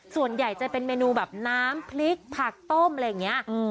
ส่วนใหญ่จะเป็นเมนูแบบน้ำพริกผักต้มอะไรอย่างนี้